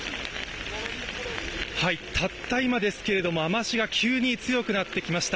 たった今ですけれども雨足が急に強くなってきました。